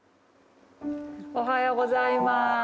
おはようございます。